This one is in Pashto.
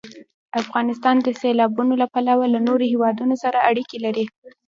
افغانستان د سیلابونه له پلوه له نورو هېوادونو سره اړیکې لري.